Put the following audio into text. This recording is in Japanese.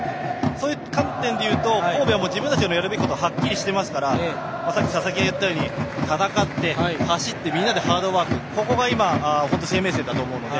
そういう観点でいうと神戸は自分たちがやることがはっきりしてますから佐々木が言ったように戦って、走って、みんなでハードワークというところが生命線だと思いますので。